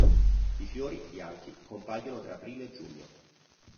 I fiori, bianchi, compaiono tra aprile e giugno.